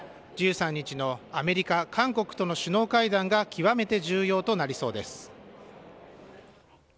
１３日のアメリカ、韓国との首脳会談が極めて重要となりそうです。